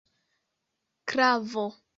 klavo